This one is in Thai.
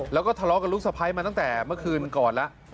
แล้วก็ทะเลาะกับลูกสะพ้ายมาตั้งแต่เมื่อคืนก่อนแล้ว